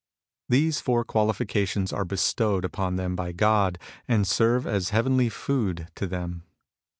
These four qualifications are bestowed upon them by God And serve as heavenly food to them.